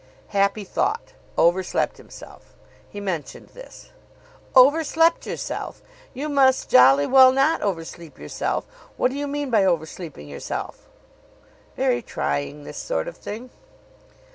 Happy thought: over slept himself. He mentioned this. "Over slept yourself! You must jolly well not over sleep yourself. What do you mean by over sleeping yourself?" Very trying this sort of thing.